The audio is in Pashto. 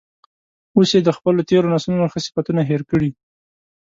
اوس یې د خپلو تیرو نسلونو ښه صفتونه هیر کړي.